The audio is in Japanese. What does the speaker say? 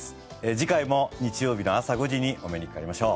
次回も日曜日の朝５時にお目にかかりましょう。